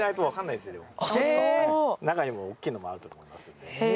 中にお大きいのもあると思いますので。